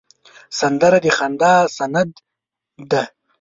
سندره د خندا سند دی